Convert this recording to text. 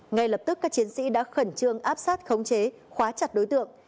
ngay lập tức các chiến sĩ đã khẩn trương áp sát khống chế khóa chặt đối tượng